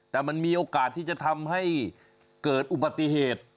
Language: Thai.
แต่มันมีโอกาสที่จะทำให้เกิดอุบัติเหตุ